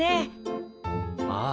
ああ。